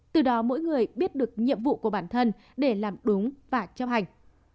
từ đó mỗi người biết được nhiệm vụ của bản thân để làm đúng và chấp hành